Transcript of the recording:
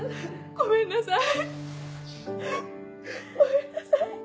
ごめんなさい。